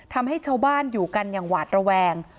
ทำให้ชาวบ้านอยู่กันอย่างหวาดระแวง